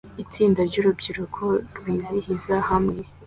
Itsinda ryurubyiruko rwizihiza hamwe